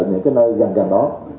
ở những cái nơi gần gần đó